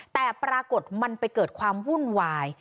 แต่ปรากฏมันไปเกิดความวุ่นวาย